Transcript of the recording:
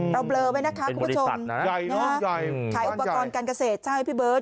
เบลอไว้นะคะคุณผู้ชมใหญ่ขายอุปกรณ์การเกษตรใช่พี่เบิร์ต